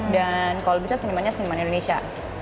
dan kalo bisa seniman nya seniman indonesia